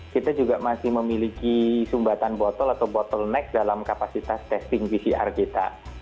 kita juga masih memiliki sumbatan botol atau bottleneck dalam kapasitas testing pcr kita